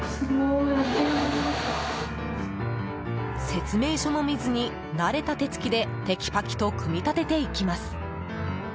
説明書も見ずに慣れた手つきでテキパキと組み立てていきます。